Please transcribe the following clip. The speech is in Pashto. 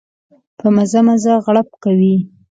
په مزه مزه غړپ کوي.